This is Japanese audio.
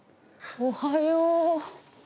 おはよう。